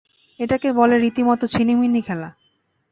এটাকে বলে রীতিমত ছিনিমিনি খেলা!